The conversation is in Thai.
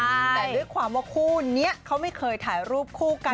แต่ด้วยความว่าคู่นี้เขาไม่เคยถ่ายรูปคู่กัน